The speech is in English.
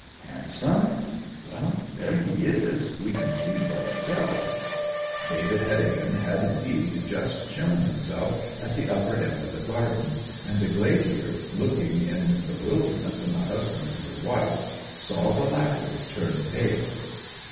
'Handsome? Well, there he is we can see for ourselves.' David Heddegan had, indeed, just shown himself at the upper end of the garden; and the glazier, looking in bewilderment from the husband to the wife, saw the latter turn pale.